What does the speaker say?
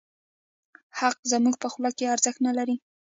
حق زموږ په خوله کې ارزښت نه لري.